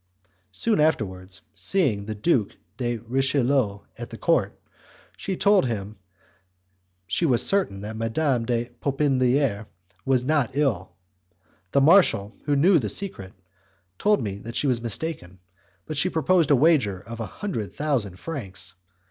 Soon afterwards, seeing the Duke de Richelieu at the court, she told him she was certain that Madame de la Popeliniere was not ill. The marshal, who knew the secret, told her that she was mistaken; but she proposed a wager of a hundred thousand francs.